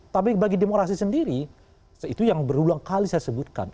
tapi bagi demokrasi sendiri itu yang berulang kali saya sebutkan